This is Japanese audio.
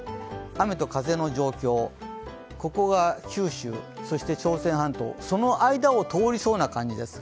雨と風の状況、ここが九州そして朝鮮半島、その間を通りそうな感じです。